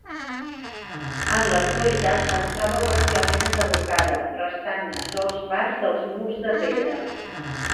En l'actualitat es troba parcialment enderrocada, restant-ne sols parts dels murs de pedra.